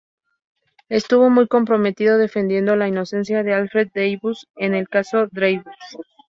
Estuvo muy comprometido defendiendo la inocencia de Alfred Dreyfus en el Caso Dreyfus.